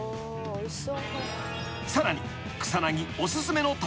おいしそう。